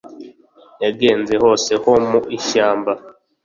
yagenze hose ho mu ishyamba